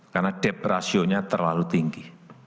karena dep rasio nya terlalu tinggi